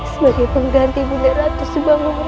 sebagai pengganti bunda ratu subangwarangmu sudah tiada